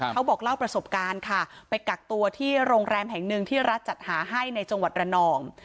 เขาบอกเล่าประสบการณ์ค่ะไปกักตัวที่โรงแรมแห่งหนึ่งที่รัฐจัดหาให้ในจังหวัดระนอง